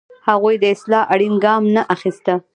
هغوی د اصلاح اړین ګام نه اخیسته.